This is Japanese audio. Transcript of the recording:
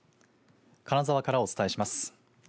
金沢からお伝えします。